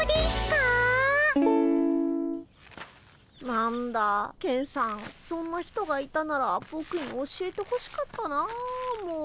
何だケンさんそんな人がいたならボクに教えてほしかったなあもう。